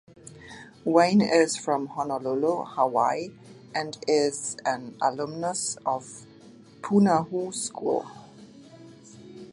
Wayne is from Honolulu, Hawaii, and an alumnus of Punahou School.